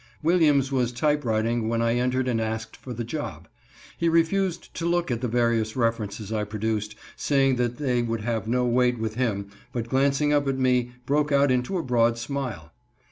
Williams was typewriting when I entered and asked for the job. He refused to look at the various references I produced, saying they would have no weight with him, but glancing up at me, broke out into a broad smile.